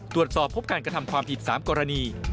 ตรวจสอบพบการกระทำความผิด๓กรณี